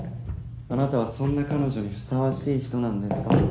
あなたはそんな彼女にふさわしい人なんですか？